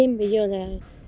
em bây giờ là